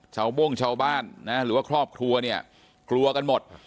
โม่งชาวบ้านนะหรือว่าครอบครัวเนี่ยกลัวกันหมด